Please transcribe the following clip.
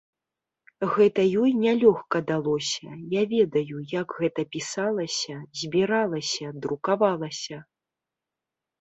Гэта ёй нялёгка далося, я ведаю, як гэта пісалася, збіралася, друкавалася.